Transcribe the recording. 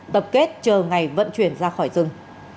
tập kết chờ ngày vận chuyển ra khỏi rừng